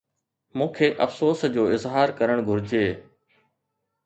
مون کي افسوس جو اظهار ڪرڻ گهرجي؟